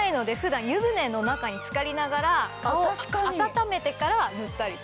普段湯船の中に浸かりながら顔を温めてから塗ったりとかも。